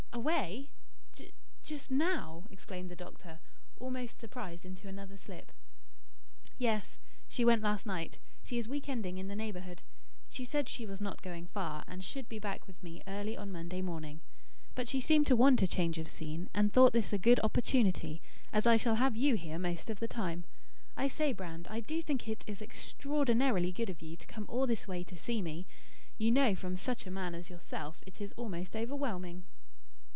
"Away! J just now?" exclaimed the doctor, almost surprised into another slip. "Yes; she went last night. She is week ending in the neighbourhood. She said she was not going far, and should be back with me early on Monday morning. But she seemed to want a change of scene, and thought this a good opportunity, as I shall have you here most of the time. I say, Brand, I do think it is extraordinarily good of you to come all this way to see me. You know, from such a man as yourself it is almost overwhelming."